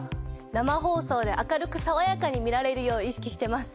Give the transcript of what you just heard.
生放送で明るくさわやかに見られるよう意識してます。